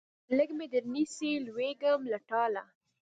لږ مې درنیسئ لوېږم له ټاله